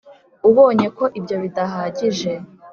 Ubonye ko ibyo bidahagije